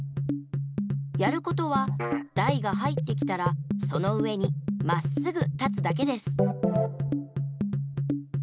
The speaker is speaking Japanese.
やることはだいがはいってきたらそのうえにまっすぐたつだけです。